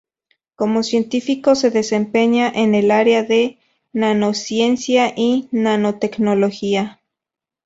Como científico se desempeña en el área de nanociencia y nanotecnología.